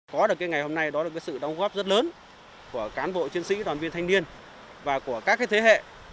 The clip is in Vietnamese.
có được ngày hôm nay đó là sự đóng góp rất lớn của cán bộ chiến sĩ đoàn viên thanh niên và của các thế hệ